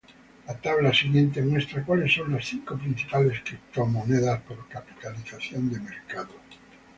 La tabla siguiente muestra cuáles son las cinco principales criptomonedas por capitalización de mercado.